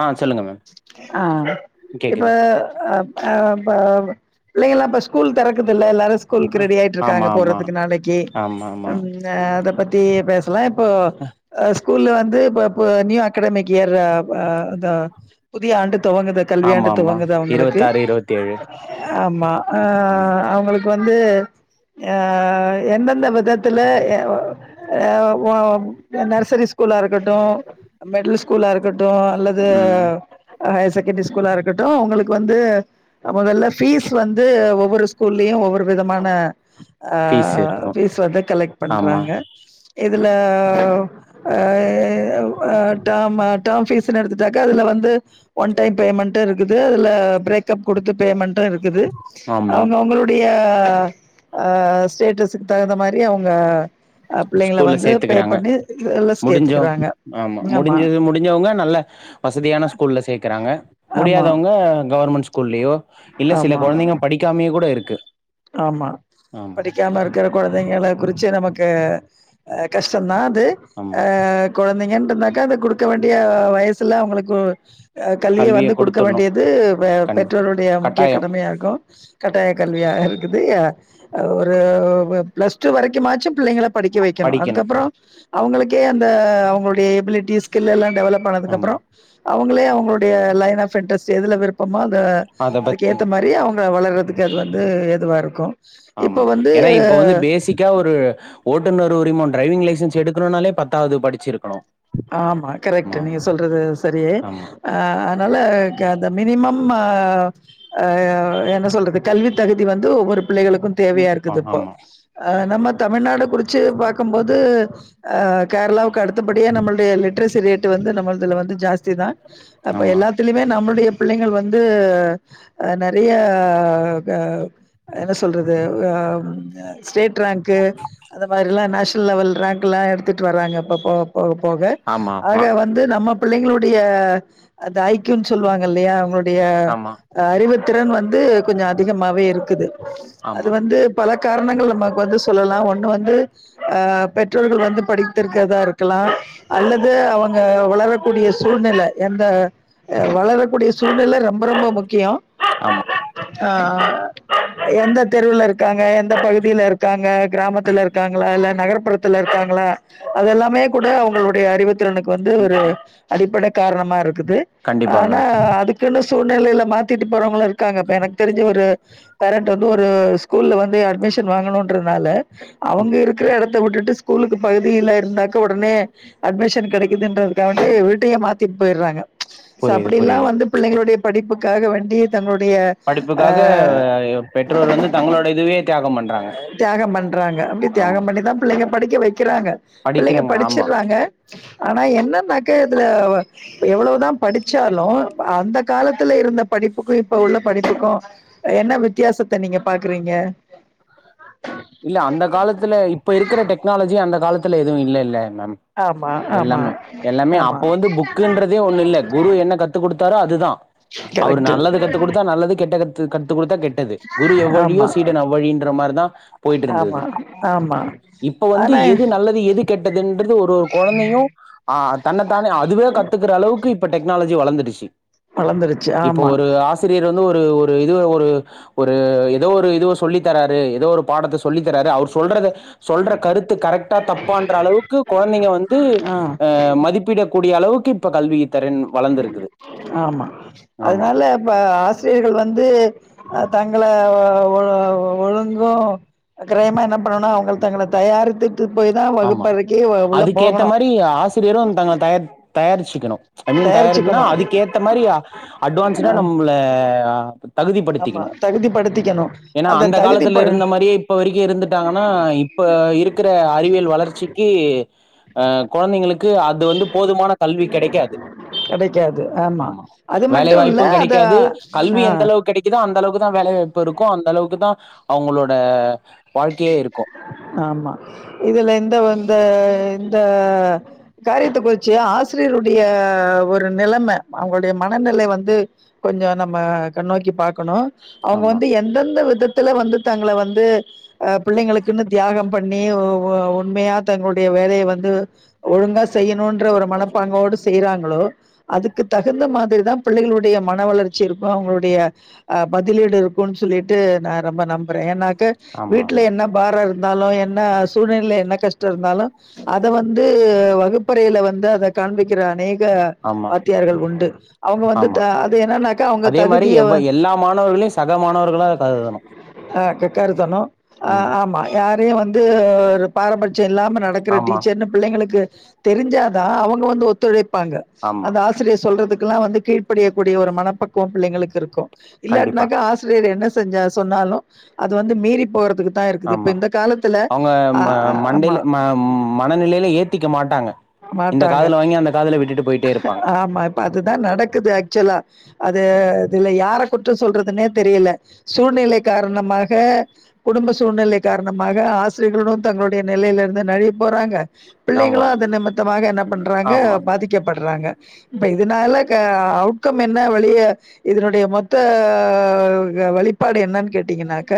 ஆ சொல்லுங்க மேம் ஆ இப்ப கேக்குது அப் ஆ ப புள்ளைங்களா இப்ப ஸ்கூல் தெறக்குதில்ல எல்லாருச் கூல்கு ஆ ஆமா ரெடியாய்ட்ருக்காங்க ஆமா போறதுக்கு நாளைக்கி ஆமா ஆமா ம் அ அத பத்தி பேசலா இப்போ அ ஸ்கூல்ல வந்து இப்ப இப்போ நியூ அக்கடெமிக் கியர்றா பா தா புதிய ஆண்டு தொவங்குது ஆமா கல்வியாண்டு ஆமா துவங்குது அவுங்ளுக்கு இருவத்தாறு இருவத்தேழு ஆமா ஆ ம் அவுங்களுக்கு வந்து அ எந்தெந்த விதத்துல எ ஒ எ ஒ நர்சரி ஸ்கூலா இருக்கட்டு மிடில்ஸ் கூலா இருக்கட்டு அல்லது ம் ஹையர் செகண்ட்ரி ஸ்கூலா இருக்கட்டு உங்களுக்கு வந்து மொதல்ல ஃபீஸ் வந்து ஒவ்வொரு ஸ்கூல்லயு ஒவ்வொரு விதமான ஆ ஃபீஸ் இருக்கு ஃபீஸ் வந்து கலெக்ட் ஆமா பண்றாங்க இதுல ஆ அ டேமு டேம் பீஸ்னு எடுத்துட்டாக்க அதுல வந்து ஒன் டைம் பேமண்ட்டு இருக்குது அதுல பிரேக்ப் குடுத்து பேமண்ட்டு இருக்குது ஆமா அவுங்கவுங்களு டைய அ ஸ்டேட்டஸ்க்கு தகுந்த மாரி அவுங்க பிள்ளைங்க ஸ்கூல்ல வந்து பே சேத்துக்குறாங்க பண்ணி எலஸ் முடிஞ்சோ கேத்துக்கறாங்க ஆமா முடிஞ்சது முடிஞ்சவங்க நல்ல வசதியான ஸ்கூல்ல சேக்கறாங்க ஆமா முடியாதவங்க கவர்மெண்ட் ஸ் கூல்லியோ இல்ல சில ஆமா கொழந்தைங்க படிக்காமயோ கூட இருக்கு ஆமா ஆமா படிக் காம இருக்கிற கெழந்தைங்கல குறிச்சு நமக்கு அ கஷ்டந்தா அது ஆமா அ கொழந்தைங்கன்ட்ருந்தாக்கா அத குடுக்க வேண்டிய வயிசுல அவுங்களுக்கு அ கல்விய வந்து குடுக்க வேண்டியது பெ கண் பெற்றோர்ருடைய முக்கிய கட்டாயோ கடமையா இருக்கு கட்டாய கல்வியா இருக்குது அ ஒரு பிளஸ் டூ வரைக்கு மாச்சு பிள்ளைங்கள படிக்க வைக்கணு படிக்கணு அதுக்கப்றோ அவுங்களுக்கே அந்த அவுங்களுடைய எபிலிட்டிஸ் ஸ்கில் எல்லா டெவலப் ஆமா பண்ணதுக்ப்பறோ அவுங்களே அவுங்களுடைய லைன் ஆஃப் இன்ட்ரெஸ்ட் எதுல விருப்பமோ அத அத அதுக்கு பத்தி ஏத்த மாரி அவுங்க வளறதுக்கு அது வந்து ஏதுவா இருக்கு இப்ப வந்து கியா ஒரு ஓட்டுநர் உரிமம் டிரைவிங் லைசன்ஸ் எடுக்கணுன்னாலே பத்தாவுது படிச்சிருக்கணு ஆமா கரெக்ட்டு நீங்க ஆமா சொல்றது சரி ஆமா அ அதுனால க அந்த மினிமம் அ ஆ என்ன சொல்றது கல்வி தகுதி வந்து ஒவ்வொரு பிள்ளைகளுக்கு தேவயா அ இருக்குது இப்ப ஆமா அ நம்ம தமிழ்நாடு குறிச்சு பாக்கும்போது லிட்ரசி ரேட்டு வந்து நம்மள்துல வந்து ஜாஸ்தி தா அப்ப ஆமா எல்லாத் திலமே நம்மளுடைய பிள்ளைங்கள் வந்து அ நெறைய அ என்ன சொல்றது அ ஸ்டேட் ரேங்க்கு அந்த மாரிலா நேஷனல் லவல் ரேங்கெலா எடுத்துட்டு வராங்க இப்ப போக போ க ஆமா ஆக ஆமா வந்து நம்ம பிள்ளைங்களுடைய அத ஐ க்யூ ன் சொல்லுவாங்க இல்லையா அவங்க ளுடைய ஆமா அறிவுத்திறன் வந்து கொஞ்ச அதிகமாவே இருக்குது அது ஆமா வந்து பல காரணங்கள் நமக் வந்து சொல்லலா ஒண்ணு வந்து அ பெற்றோர்கள் வந்து படித்திருக்கறதா இருக்கலா அல்லது அவுங்க வளரக்கூடிய சூழ்நெல எந்த அ வளரக்கூடிய சூழ்நில ரொம்ப ரொம்ப முக்கியோ ஆமா ஆ எந்த தெருவுல இருக்காங்க எந்த பகுதில இருக்காங்க கிராமத்துல இருக்காங்களா இல்ல நகர்ப்புறத்துல இருக்காங்களா அதெல்லாமே கூட அவுங்க ளுடய அறிவுத்திறனுக்கு வந்து ம். ஒரு அடிப்பட காரணமா இருக்குது கண்டிப்பா ஆனா மேம் அதுக்கு ன்னு சூழ்நிலையில மாத்திட்டு போறவங்களு இருக்காங்க இப்ப எனக்கு தெரிஞ்ச ஒரு பேரண்டு வந்து ஒரு ஸ்கூல்ல வந்து அட்மிஷன் வாங்கணுன்றனால ம். அவுங்க இருக்கற எடத்த விட்டுட்டு ஸ்கூலுக்கு பகுதில இருந்தாக்க உடனே அட்மிஷன் கெடைக்குதுன்றதுக்காண்டி வீட்டயே மாத்திட்டு போய்றாங்க சோ புரியுது அப்டில்லா புரியுது வந்து பிள்ளைங்களுடைய படிப்புக்காக வந்டி தன்னுடைய படிப்புக்காக பெற்றோர் வந்து தங்களோட இதுவே தியாகம் பண்றாங்க தியாகம் பண்றாங்க அப்டி ஆமா தியாகம் பண்ணிதா பிள்ளிங்க படிக்க வைக்கிறாங்க பிள்ளிங்க படிக்கிறாங்க ஆமா படிச்சுட்றாங்க ஆனா என்னன்னாக்க இதுல இப்ப எவ்ளோதா படிச்சாலு அந்த காலத்துல இருந்த படிப்புக்கு இப்ப உள்ள படிப்புக்கு என்ன வித்தியாசத்த நீங்க பாக்குறீங்க இல்ல அந்த காலத்துல இப்ப இருக்கிற டெக்னாலஜி அந்த காலத்துல எதுவு இல்லல்ல மேம் ஆமா ஆமா எல்லாமே எல்லாமே ஆமா அப்போ வந்து புக்குன்றதே ஒண்ணு இல்ல குரு என்ன கத்து குடுத்தாரோ அதுதா அவரு கரெக்ட்டு நல்லது கத்துக் குடுத்தா நல்லது கெட்ட கத் த்து கத்து குடுத்தா கெட்டது குரு எவ்வழியோ ஆமா சீடன் அவ்வழின்ற மாரிதா ஆமா ஆம் இப்ப வந்து எது நல்லது எது கெட்டதுன்றது ஒரு ஒரு கொழந்தையு ஆ தன்ன தானே அதுவே கத்துக் அளவுக்கு இப்ப டெக்னாலஜி வளந்துடுச்சு வளந்துருச்சு இப்போ ஆமா ஒரு ஆ சிரியர் வந்து ஒரு ஒரு இது ஒரு ஒரு ஏதோ ஒரு இது சொல்லி தராரு ஏதோ ஒரு பாடத்த சொல்லி தராரு அவர் சொல்றத சொல்ற கருத்து கரெக்டா தப்பான்ற அளவுக்கு கொழந்தைங்க வந்து ஆ மதிப்பிட கூடிய அளவுக்கு இப்ப கல்வி தரன் ஆமா ஆமா அதனால இப்ப ஆசி ரியர்கள் வந்து தங்கள ஒழுங்கு அக்ரயமா என்ன பண்ணனா அவங்க தங்கள தயாரித்துட்டு போய் தா வகுப்பறைக்கு உள்ள போகணு ஆசிரியரு தங்கள தய தயாரிச்சிக்கணு ஐ மீன் தயாரினா தயாரிச்சுக்கணு அதுக்கேத் த்த மாரி அட்வான்ஸ்டா அ நம்மள ஆமா தகுதிப்படுத்திக்கணு தகுதிப்படுத்திக்கணு ஏன்னா அந்த தகுதி ப காலத்தில இருந்த மாரியே ப்ப வரைக்கு இருந்துட்டாங்கன்னா இப்ப இருக்கிற அறிவியல் வளர்ச்சிக்கு ஆ கொழந்தைங்களுக்கு அது வந்து போதுமான கல்வி கெடைக்காது கெடைக்காது ஆமா அது வேலை மட்டு இல்ல வாய்ப்பு அத கெடைக்காது கல்வி ஆ எந்த அளவுக்கு கெடைக்குதோ அந்த அளவுக்கு தா வேலைவாய்ப்பு இருக்கு அந்த அளவுக்கு தா அவங்களோட வாழ்க்கையே இருக்கு ஆமா இதுல எந்த வந்த இந்த காரியத்த குறிச்சு ஆசிரியருடைய ஒரு நிலம அவங்களுடைய மனநிலை வந்து கொஞ்சோ நம்ம கண் நோக்கி பாக்கணு அவங்க ஆமா வந்து எந்தெந்த விதத்துல வந்து தங்கள வந்து ஆ பிள்ளைங்களுக்குன்னு தியாகம் பண்ணி உண்மையா தங்களுடைய வேலையை வந்து ஒழுங்கா செய்யணுன்ற ஒரு மனப்பாங்கோடு செய்யறாங்களோ அதுக்கு தகுந்த மாதிரிதா பிள்ளைகளுடைய மன வளர்ச்சி இருக்கு அவங்களுடைய ஆ பதிலீடு இருக்குன்னு சொல்லிட்டு நா ரொம்ப நம்புறே ஏன்னாக்க ஆமா வீட்ல ஆமா என்ன பார இருந்தாலு என்ன சூழ்நிலைல என்ன கஷ்ட இருந்தாலு அத வந்து வகுப்பறையில வந்து அத காண்பிக்கிற அநேக ஆமா வாத்தியார்கள் உண்டு அவங்க வந்து ஆமா அது என்னன்னாக்க அவங்க அதே மாரி தகுதிய எவ்வ எல்லா மாணவர்கள சகமாணவர்களா கருதணு ஆ கருதணு ஆ ம் ஆமா யாரையு வந்து ஒரு பாரபட்ச இல்லாம நட இருக்கிற ஆமா டீச்சர்னு பிள்ளைங்களுக்கு தெரிஞ்சாதா அவங்க வந்து ஒத்துழைப்பாங்க ஆமா அந்த ஆசி ஆசிரியர் சொல்றதுக்கெல்லா வந்து கீழ்ப்படியக்கூடிய ஒரு மனப்பக்கவம் பிள்ளைளுக்கு இருக்கு கண்டிப்பா இல்லாட்டினாக்கா ஆசிரியர் என்ன செஞ்ச சொன்னாலு அது வந்து மீறி போறதுக்கு தா இருக்குது இப்ப ஆமா இந்த காலத்துல ஆ ஆமா ஆ மனநிலையில ஏத்திக்க மாட்டாங்க இந்த மாட்டாங்க. காதுல வாங்கி அந்த காதுல விட்டுட்டு போயிட்டே இருப்பாங்க ஆமா இப்ப அதுதா நடக்குது ஆக்சுவலா அது இதுல யார குற்றம் சொல்றதுன்னே தெரியல சூழ்நிலை காரணமாக குடும்ப சூழ்நிலை காரணமாக ஆசிரியர்களும் தங்களுடைய நிலையில இருந்து நழுவி போறாங்க ஆமா பிள்ளைங்களும் அது நிமத்தமாக என்ன பண்றாங்க ஆமா பாதிக்கப்படறாங்க இப்ப இதனால க அவுட்கம் என்ன வெளிய இதனுடைய மொத்த வழிபாடு என்னன்னு கேட்டீங்கன்னாக்க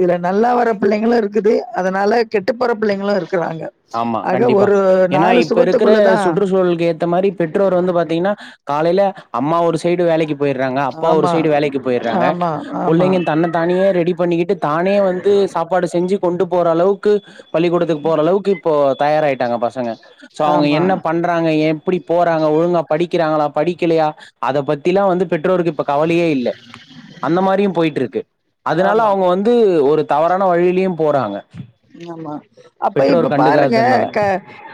இதுல நல்லா வர பிள்ளைங்களும் இருக்குது அதனால கெட்டு போற பிள்ளைங்களும் இருக்கறாங்க ஆமா கண்டிப்பா ஏனா இப் இப்ப இருக்கற சுவத்துக்குள்ளதா சுற்றுச்சூழலுக்கு ஏத்த மாறி பெற்றோர் வந்து பாத்தீங்கன்னா காலையில அம்மா ஒரு சைடு வேலைக்கு போயிறாங்க அப்பா ஒரு ஆமா சைடு வேலைக்கு போயிறாங்க ஆமா ஆமா புள்ளைங்க தன்ன தானியே ரெடி பண்ணிக்கிட்டு தானே வந்து சாப்பாடு செஞ்சி கொண்டு போற அளவுக்கு பள்ளிக்கூடத்துக்கு போற அளவுக்கு இப்போ தயாரயிட்டாங்க பசங்க சோ அவுங்க ஆமா என்ன பண் றாங்க எப்டி போறாங்க ஒழுங்கா படிக்கிறாங்களா படிக்கலையா அத பத்திலாம் வந்து பெற்றோருக்கு இப்ப கவலையே இல்ல அந்த மாறியும் போயிட்டு இருக்கு அதனால ஆமா அவுங்க வந்து ஒரு தவறான வழிலயும் போறாங்க ஆமா அப்ப இப்ப பெற்றோர் பாருங்க கண்டுக்காததுனால க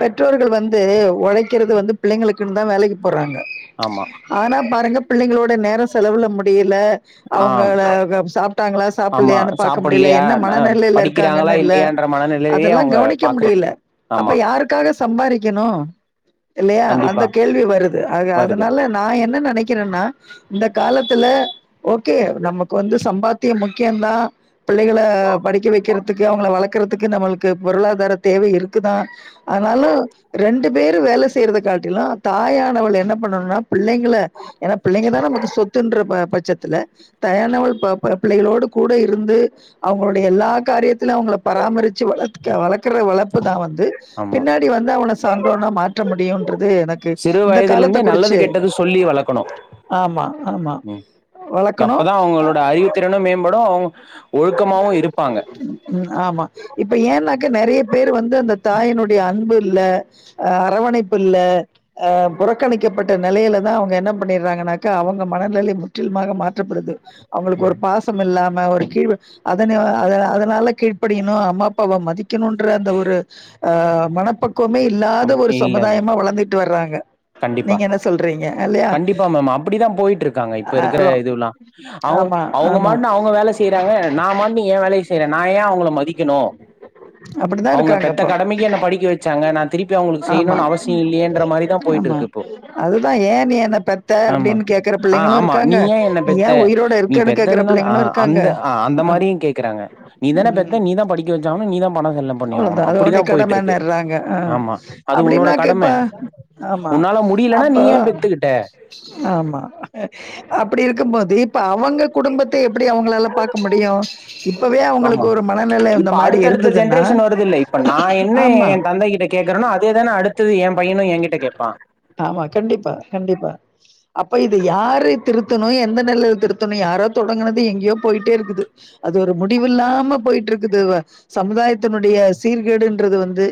பெற்றோர்கள் வந்து ஒழைக்கறது வந்து பிள்ளைங்களுக்குன்னு தான் வேலைக்கு போறாங்க ஆமா ஆனா பாருங்க பிள்ளைங்களோட நேரம் செலவுல முடியல ஆம் அவங்கள சாப்ட்டாங்களா ஆமா சாப்பலையானு பாக்க முடியல சாப்புட்லையா என்ன அ மனநிலையில படிக்கிறாங்களா இருக்காங்கன்னு க இல்லையான்ற மனநிலையே அதல்லா அவங்க கவனிக்க பாக்குறது முடியல அப்ப ஆமா யாருக்காக சம்பாரிக்கணும் இல்லையா அந்த கண்டிப்பா கேள்வி வருது ஆக வருது அதனால நா என்ன நெனைக்கிறன்னா இந்த காலத்துல ஓகே நமக்கு வந்து சம்பாத்தியம் முக்கியந்தான் பிள்ளைகள படிக்க வைக்கறதுக் வளக்கறதுக்கு நம்மளுக்கு பொருளாதார தேவை இருக்குதான் ஆனாலும் ரண்டு பேரும் வேல செய்றத காட்டிலும் தாயானவள் என்ன பண்ணணும்னா பிள்ளைங்கள ஏனா பிள்ளைங்க தான் நமக்கு சொத்துன்ற ப பட்சத்துல தாயானவள் ப ப பிள்ளைகளோடு கூட இருந்து அவுங்களுடைய எல்லா காரியத் துல அவங்கள பராமரிச்சி வளக்க வளக்கற வளர்ப்பு தா வந்து ஆமா பின்னாடி வந்து அவன சான்றோனா மாற்ற முடியும்ன்றது எனக்கு இந்த காலத்த குறிச்சி கணும் ஆமா ஆமா வளக்கணும். அப்பதா அவங்களோட அறிவுத்திறனும் மேம்படும் அவுங் ஒழுக்கமாவும் இருப்பாங்க ம் ஆமா இப்ப ஏன்னாக்கா நெறையா பேரு வந்து அந்த தாயினுடைய அன்பு இல்ல ஆ அரவணைப்பு இல்ல ஆ புறக்கணிக்கப்பட்ட நெலையில தான் அவுங்க என்ன பண்ணிறாங்கன்னாக்கா அவங்க மனநிலை முற்றிலுமாக மாற்றப்படுது அவுங்களுக்கு ஒரு பாசம் இல்லாம ஒரு கீழ் அதன அத அதனால கீழ்ப்படியணும் அம்மா அப்பாவ மதிக் கினுன்ற அந்த ஒரு உ மனப்பக் குவமே இல்லாத அம் ஒரு இல்ல சமுதாயமா வளர்ந்துட்டு வறாங்க கண்டிப்பா ன்னா சொல்றீங்க அல்லையா கண்டிப்பா மேம் அப்டிதா போயிட்டு இருக்காங்க இப்ப இருக்கற அ இதுவுலா அவங் ஆமா அவங்க ஆமா மாட்டனு அவுங்க வேல செய்றாங்க நா மாட்டுனு ஏ வேலைய செய்றன் நா ஏ அவங்கள மதிக் கிணோ அப்டிதா அவங்க இருக்காங்க பெத்த இப்போ கடமைக்கு என்னை படிக்க வச்சாங்க நா திருப்பி அவங்களுக்கு ஆமா செய்ணுனு அவசியம் இல்லன்ற மாரிதா போயிட்டு ஆமா இருக்கு இப்போ அதுதா ஏன் நீ என்ன பெத்த ஆமா அப்டின்னு கேக் ஆ ஆமா நீ ஏன் என்ன பெத்த நீ இருக்கன்னு கேக்குற பெத்ததுனால அ பிள்ளைங்களு இருக்காங்க அந்த அ அந்த ஆ மாரியு கேக்குறாங்க நீ தான ம் பெத்த நீதா படிக் க்கவச்சாவனு நீதா பண செலவு பண்ணி ஆவனு அவ்ளோதா அப்டிதா அதோடைய போயிட்டு இருக்கு கடமன்னுறாங்க ஆ ஆமா அது உன்னோட அப்டின்னா கடம கேப்பா ஆமா உன்னால முடியலனா நீ அப்போ ஏன் பெத்துக்கிட்ட ஆமா அப்டி இருக்கும்போது இப்ப அவங்க குடும்பத்த எப்டி அவங்களால பாக்க முடியு இப்பவே அவங்களுக்கு ஒரு மனநிலை இந்த மாரி இருந்துது டன் வருதுல்ல இப்ப நா என்ன என் தந்தை கிட்ட கேக்குறேனோ அதேதானே அடுத்தது என் பையனு என்கிட்ட கேப்பா ஆமா கண்டிப்பா கண்டிப்பா அப்ப இது யாரு திருத்தணு எந்த நெலைல திருத்தணு யாரோ தொடங்குனது எங்கேயோ போயிட்டே இருக்குது அது ஒரு முடிவு இல்லாம போயிட்டு இருக்குது சமுதாய த்துனுடைய சீர்கேடுன்றது வந்து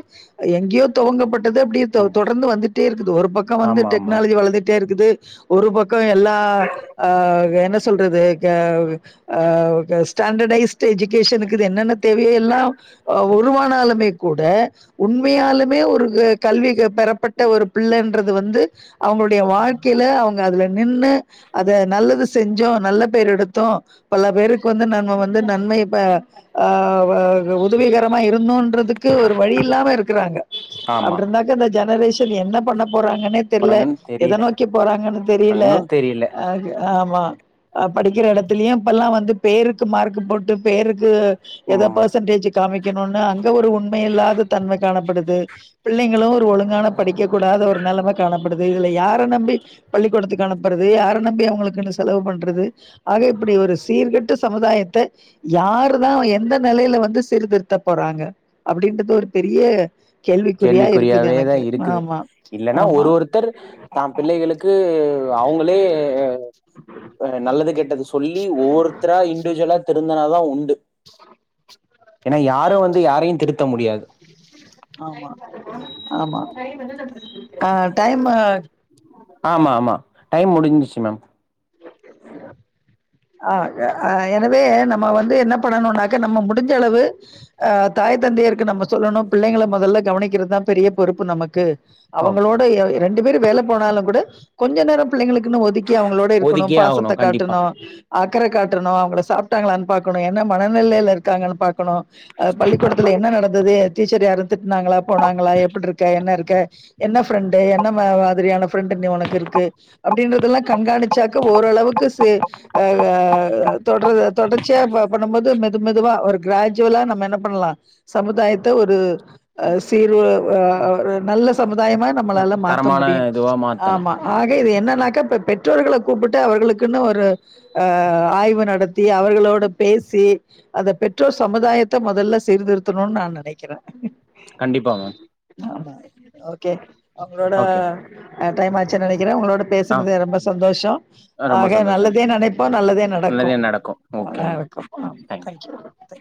எங்கேயோ துவங்கப்பட் டது அப்டியே தொ ஆமா தொடர்ந்து வந்துட்டே இருக்குது ஒரு பக்க வந்து ஆமா ஆமா டெக்னாலஜி வளந்துட்டே இருக்குது ஒரு பக்க எல்லா அ என்ன சொல்றது க ஆ ஸ்டாண்டர்டைஸ்டு எஜுகேஷனுக்கு இது என்னென்ன தேவையோ எல்லா ஆ உருவானாலுமே கூட உண்மையாலு மே ஒரு கல்வி பெறப்பட்ட ஒரு பிள்ளைன்றது வந்து அவங்களுடைய வாழ்க்கையில அவங்க அதுல நின்னு அத நல்லது செஞ்சோ நல்ல பேர் எடுத்தோ பல பேருக்கு வந்து நம்ம வந்து நன்மையப்ப ஆ துளிகரமா இருந்தோன்றதுக்கு ஒரு வழி இல்லாம இருக்கிறாங்க ஆமா அப்டி இருந்தா க்க அந்த ஜெனரேஷன் என்ன பண்ண போறாங்கன்னே தெரில அப்றங்கன்னு எத தெரியல நோக்கி போறாங்கன்னு தெரில இன்னு தெரியல அ ஆமா அ படிக்கிற எடத்துலயு இப்பல்லா வந்து பேருக்கு மார்க் போட்டு பேருக்கு எதா ம் பெர்சன்டேஜ் காமிக்கணுனு அங்க ஒரு உண்மையில்லாத தன்மை காணப்படு து பிள்ளைங்களு ஒரு ஒழுங்கான படிக்க கூடாத ஒரு நெலைம காணப்படுது இதுல யார நம்பி பள்ளிக்கூடத்துக்கு அனுப்புறது யார நம்பி அவங்களுக்கு என்ன செலவு பண்றது அது இப்டி ஒரு சீர்கெட்ட சமுதாயத்த யாருதா எந்த நெலையில வந்து சீர்திருத்த போறாங்க அப்டின்றது ஒரு பெரிய கேள்விக்குறியா இருக்குது கேள்விக்குறியாவேதா எனக்கு இருக்குது ஆமா இல்லன்னா ஆமா ஒரு ஒருத்தர் தா பிள்ளைகளுக்கு அவங்களே ஒரு நல்லது கேட்டது சொல்லி ஒவ்வொருத்தரா இண்டிவிஜுவலா திருந்துனாதா உண் டு ஏன்னா யாரு வந்து யாரையு திருத்த முடியாது ஆமா ஆமா ஆ டைம்மு ஆமா ஆமா டைம் முடிஞ்சிச்சு மேம் ஆ அ எனவே நம்ம வந்து என்ன பண்ணணுனாக்க நம்ம முடிஞ்சளவு அ தாய் தந்தையருக்கு நம்ம சொல்லணு பிள்ளைங்கள மொதல்ல கவனிக்கிறதுதா பெரிய பொறுப்பு நமக்கு ஓகே அவங்களோட ரெண்டு பேரும் வேல போனாலு கூட கொஞ்ச நேரம் பிள்ளைங்களுக்குனு ஒதுக்கி அவங்களோட இரு ஒதுக்கியே ஆகணு பாசத்த கண்டிப்பா காட்டணு அக்கரை காட்டணு அவங்கள சாப்ட்டாங்களானு பாக்கணு என்ன மனநிலைல இருக்காங்கன்னு பாக்கணு அ பள்ளிக்கூடத்துல என்ன நடந்தது டீச்சர் யாருந் திட்டுனாங்களா போனாங்களா எப்டி இருக்க என்ன இருக்க என்ன ஃப்ரெண்டு என்ன மாதிரியான ஃப்ரெண்ட் நீ உனக்கு இருக்கு அப்டின்றதெல்லா கண்காணி ச்சாக்கா ஓரளவுக்கு சி அ தொடர் தொடர்ச்சியா ப பண்ணும்போது மெது மெதுவா ஒரு கிராஜுவலா நம்ம என்ன பண்ணலா சமுதாயத்த ஒரு அ சீறு ஒரு அ ஒ ஒரு நல்ல சமுதாயமா ம், நம்மளால மாத்த தரமான முடியு இதுவா மாத்தலா ஆமா ஆக இது என்னன்னாக்க பெ பெற்றோர்களக் கூப்டுட்டு அவர்களுக்குன்னு ஒரு அ ஆய்வு நடத்தி அவர்களோட பேசி அத பெற்றோர் சமுதாயத்த முதல்ல சீர்திருத்தணுன்னு நா நனைக்கிற கண்டிப்பா மேம் ஆமா ஓகே உங்களோட ஓகே டைம் ஆச்சுனு நனைக்கிற உங்களோடப் ஆ பேசுனதே ரொம்ப சந்தோஷோ ரொம்ப ஆக சந்தோஷம் நல்லதே நனைப்போ நல்லதே நடக்கு நல்லதே ந ஓகே அ மேம் வண்க்கம் ஆம் தேங்க்யூ தேங் சு [inaudible]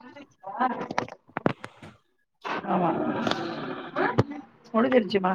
துதிப் பாரு ஆமா முடிஞ்சிருச்சிமா